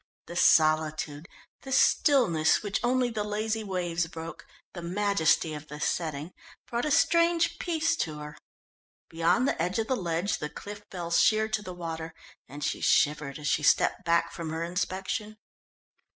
The solitude, the stillness which only the lazy waves broke, the majesty of the setting, brought a strange peace to her. Beyond the edge of the ledge the cliff fell sheer to the water, and she shivered as she stepped back from her inspection.